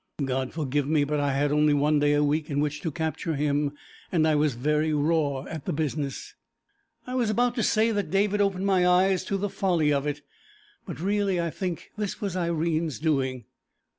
God forgive me, but I had only one day a week in which to capture him, and I was very raw at the business. I was about to say that David opened my eyes to the folly of it, but really I think this was Irene's doing.